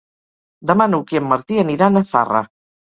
Demà n'Hug i en Martí aniran a Zarra.